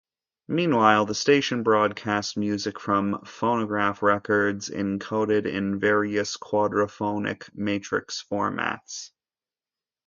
Meanwhile, the station broadcast music from phonograph records encoded in various quadraphonic matrix formats.